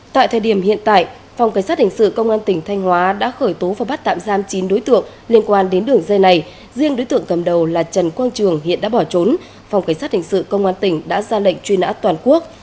tại thời điểm hiện tại phòng cảnh sát hình sự công an tỉnh thanh hóa đã khởi tố và bắt tạm giam chín đối tượng liên quan đến đường dây này riêng đối tượng cầm đầu là trần quang trường hiện đã bỏ trốn phòng cảnh sát hình sự công an tỉnh đã ra lệnh truy nã toàn quốc